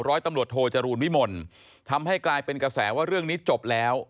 ร้อยตำรวจโทจรูลวิมลทำให้กลายเป็นกระแสว่าเรื่องนี้จบแล้ว